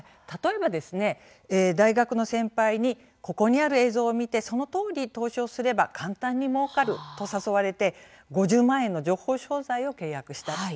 例えばですね、大学の先輩にここにある映像を見てそのとおり投資をすれば簡単にもうかると誘われて５０万円の情報商材を契約した。